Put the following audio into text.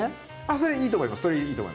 それいいと思います。